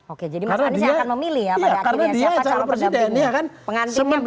oke jadi mas anies akan memilih ya pada akhirnya siapa calon presidennya pengantinnya beliau ya